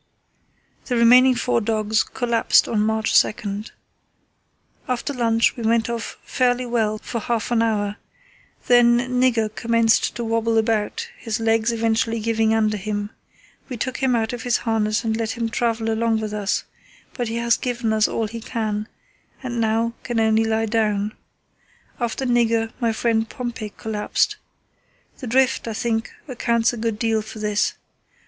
The remaining four dogs collapsed on March 2. "After lunch we went off fairly well for half an hour. Then Nigger commenced to wobble about, his legs eventually giving under him. We took him out of his harness and let him travel along with us, but he has given us all he can, and now can only lie down. After Nigger, my friend Pompey collapsed. The drift, I think, accounts a good deal for this.